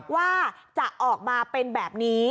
ว่าจะออกมาเป็นแบบนี้